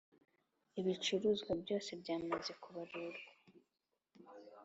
Ibicuruzwa byose byamaze kubarurwa